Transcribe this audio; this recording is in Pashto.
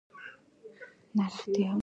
ایا ستاسو ساه لنډه نه ده؟